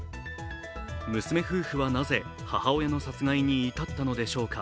娘夫婦はなぜ母親の殺害に至ったのでしょうか。